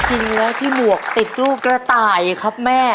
จริงแล้วที่หมวกติดลูกกระต่ายครับแม่